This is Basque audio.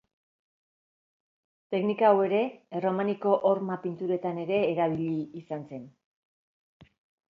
Teknika hau erromaniko horma-pinturetan ere erabili izan zen.